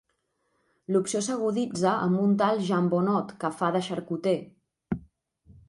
L'opció s'aguditza amb un tal "Jean Bonnot" que fa de xarcuter.